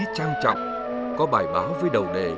sáng hôm sau